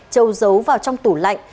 châu giấu vào trong tủ lạnh